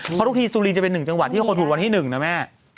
เพราะทุกทีซูลินจะเป็นหนึ่งจังหวัดที่คนถูกร้อนที่หนึ่งนะแม่